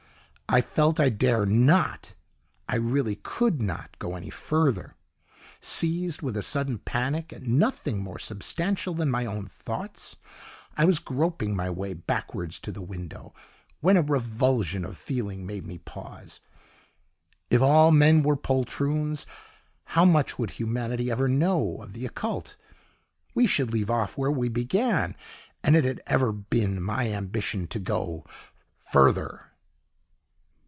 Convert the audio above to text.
I felt I dare not! I really COULD not go any further. Seized with a sudden panic at nothing more substantial than my own thoughts, I was groping my way backwards to the window when a revulsion of feeling made me pause. If all men were poltroons, how much would humanity ever know of the Occult? We should leave off where we began, and it had ever been my ambition to go FURTHER.